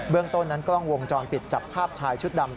ต้นนั้นกล้องวงจรปิดจับภาพชายชุดดำ